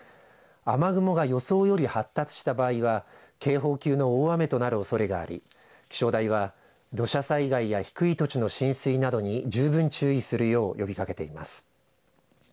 雨雲が予想より発達した場合は警報級の大雨となるおそれがあり気象台は土砂災害や低い土地の浸水などに十分注意するよう呼びかけています。